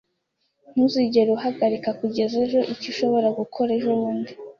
Ntuzigere uhagarika kugeza ejo icyo ushobora gukora ejobundi.